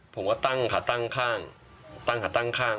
ผมก็ตั้งขาดตั้งข้าง